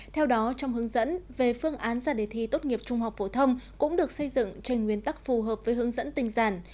theo đó trong hướng dẫn về phương án ra đề thi tốt nghiệp trung học phổ thông cũng được xây dựng trên nguyên tắc phù hợp với hướng dẫn tình giản